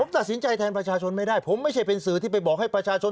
ตัดสินใจแทนประชาชนไม่ได้ผมไม่ใช่เป็นสื่อที่ไปบอกให้ประชาชน